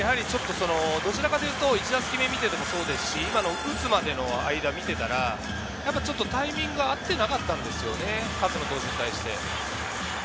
どちらかというと、１打席目を見ていても、今の打つまでの間を見ていたら、タイミングが合っていなかったんですよね、勝野投手に対して。